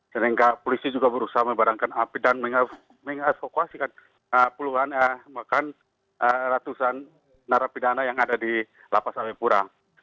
sedangkan polisi juga berusaha membarangkan api dan mengasokuasikan puluhan bahkan ratusan narapidana yang ada di lapas abe pura